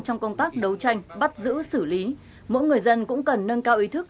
trong công tác đấu tranh bắt giữ xử lý mỗi người dân cũng cần nâng cao ý thức